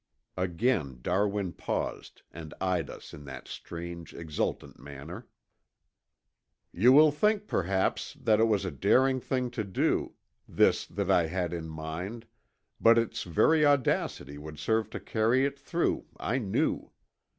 Again Darwin paused and eyed us in that strange exultant manner. "You will think, perhaps, that it was a daring thing to do, this that I had in mind, but its very audacity would serve to carry it through, I knew.